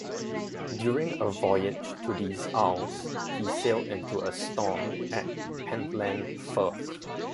During a voyage to these isles, he sailed into a storm at Pentland Firth.